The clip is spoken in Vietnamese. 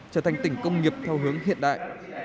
trở thành tỉnh công nghiệp theo hướng hiện đại